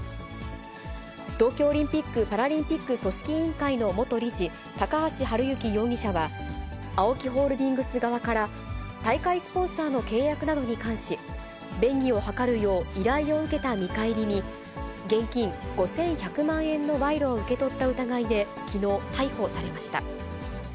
東京オリンピック・パラリンピック組織委員会の元理事、高橋治之容疑者は、ＡＯＫＩホールディングス側から、大会スポンサーの契約などに関し、便宜を図るよう依頼を受けた見返りに、現金５１００万円の賄賂を受け取った疑いできのう逮捕されました。